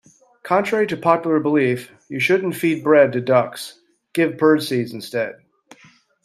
Contrary to popular belief, you shouldn't feed bread to ducks. Give birdseeds instead.